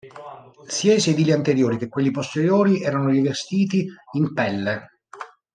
Sia i sedili anteriori che quelli posteriori erano rivestiti in pelle.